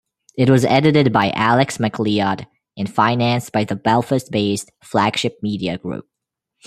It was edited by Alex MacLeod and financed by the Belfast-based Flagship Media Group.